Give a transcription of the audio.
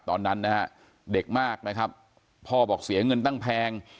ตอนนั้นนะฮะเด็กมากนะครับพ่อบอกเสียเงินตั้งแพง